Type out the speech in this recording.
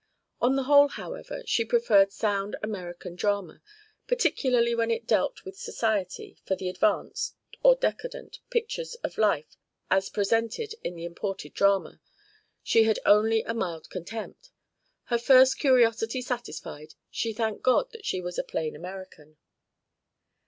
On the whole, however, she preferred sound American drama, particularly when it dealt with Society; for the advanced (or decadent?) pictures of life as presented in the imported drama, she had only a mild contempt; her first curiosity satisfied, she thanked God that she was a plain American.